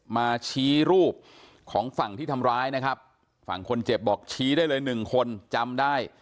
มาชี้รูปของฝั่งที่ทำร้ายนะครับฝั่งคนเจ็บบอกชี้ได้เลยหนึ่งคนจำได้